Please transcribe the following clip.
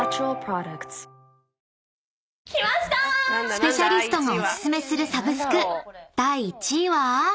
［スペシャリストがお薦めするサブスク第１位は？］